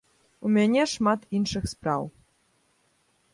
У мяне шмат іншых спраў.